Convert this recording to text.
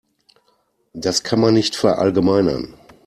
Das kann man nicht verallgemeinern.